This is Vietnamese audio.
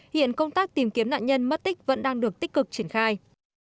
hiện công tác tìm kiếm nạn nhân mất tích vẫn đang được tích cực triển khai